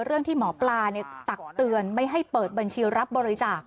เรื่องที่หมอปลาตักเตือนไม่ให้เปิดบัญชีรับบริจาค